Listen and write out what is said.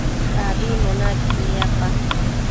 Ambimbo naquid niapa